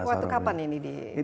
waktu kapan ini diberikan